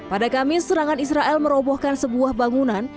pada kamis serangan israel merobohkan sebuah bangunan